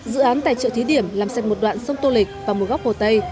dự án tài trợ thí điểm làm xét một đoạn sông tô lịch vào mùa góc hồ tây